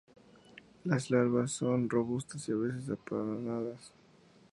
Las larvas son robustas y a veces aplanadas.